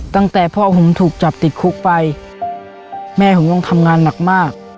ตั้งแต่พ่อผมถูกจับติดคุกไปแม่ผมต้องทำงานหนักมาก